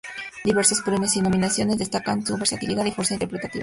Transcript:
Diversos premios y nominaciones destacan su versatilidad y fuerza interpretativa.